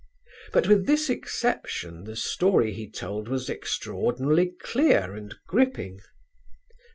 But with this exception the story he told was extraordinarily clear and gripping.